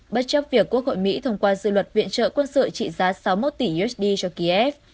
bất chấp việc quốc hội mỹ thông qua dự luật viện trợ quân sự trị giá sáu mươi một tỷ usd cho kiev